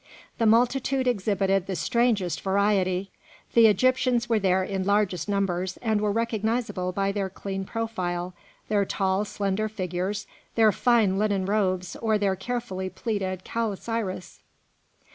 The multitude exhibited the strangest variety. The Egyptians were there in largest numbers, and were recognisable by their clean profile, their tall, slender figures, their fine linen robes or their carefully pleated calasiris.